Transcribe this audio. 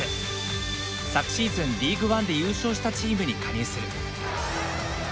昨シーズンリーグワンで優勝したチームに加入する。